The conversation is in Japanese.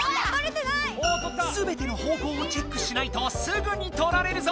すべての方向をチェックしないとすぐに取られるぞ！